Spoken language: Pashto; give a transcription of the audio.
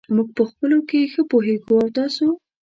موږ په خپلو کې ښه پوهېږو. او تاسو !؟